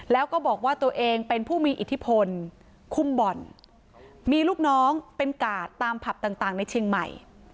แล้วก็บอกว่าตัวเองเป็นผู้มีอิทธิพลคุมบ่อนมีลูกน้องเป็นกาดตามผับต่างในเชียงใหม่